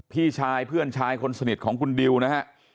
พี่ชายเพื่อนชายคนสนิทของคุณดิวนะฮะ